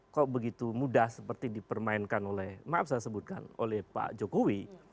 kok begitu mudah seperti dipermainkan oleh maaf saya sebutkan oleh pak jokowi